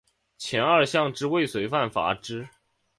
前二项之未遂犯罚之。